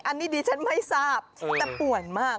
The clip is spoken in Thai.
อันนี้ดิฉันไม่ทราบแต่ป่วนมาก